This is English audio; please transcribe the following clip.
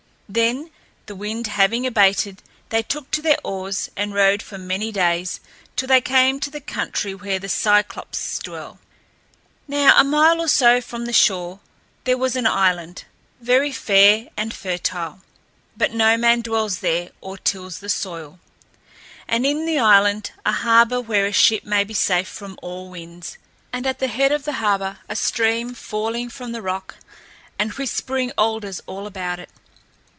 Then, the wind having abated, they took to their oars and rowed for many days till they came to the country where the Cyclopes dwell. Now, a mile or so from the shore there was an island, very fair and fertile, but no man dwells there or tills the soil, and in the island a harbor where a ship may be safe from all winds, and at the head of the harbor a stream falling from the rock, and whispering alders all about it.